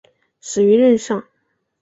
死于任上。